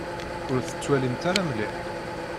Ur tettwalimt ara mliḥ.